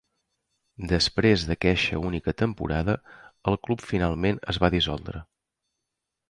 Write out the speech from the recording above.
Després d'aqueixa única temporada, el club finalment es va dissoldre.